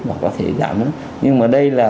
và có thể giảm nó nhưng mà đây là